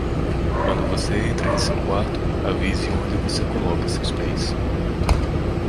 Quando você entra em seu quarto, avise onde você coloca seus pés!